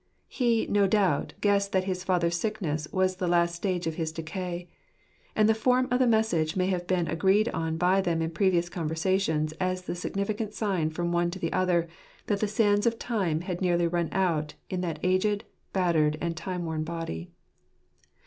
He, no doubt, guessed that his father's sickness was the last stage of his decay ; and the form of the message may have been agreed on by them in previous conversations as the significant sign from one to the other that the sands of time had nearly run out in that aged, battered, and time' worn body.